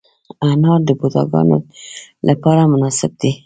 انار د بوډاګانو لپاره مناسب دی.